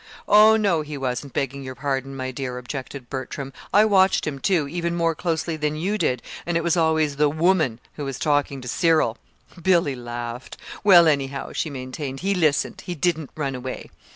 "Oh, no, he wasn't begging your pardon, my dear," objected Bertram. "I watched him, too, even more closely than you did, and it was always the woman who was talking to Cyril!" Billy laughed. "Well, anyhow," she maintained, "he listened. He didn't run away."